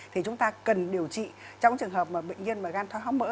thì chúng ta cần điều trị trong trường hợp bệnh nhân mà gan thoái hóa mỡ